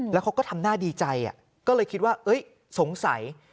แล้วเขาก็ทำหน้าดีใจก็เลยคิดว่าสงสัย